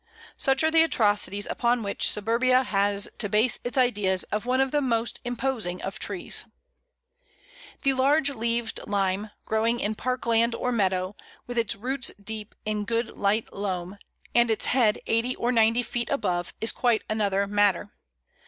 Such are the atrocities upon which Suburbia has to base its ideas of one of the most imposing of trees. [Illustration: Pl. 27. Lime tree summer.] The Large leaved Lime, growing in park land or meadow, with its roots deep in good light loam, and its head eighty or ninety feet above, is quite another matter.